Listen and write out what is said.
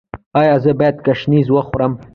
ایا زه باید ګشنیز وخورم؟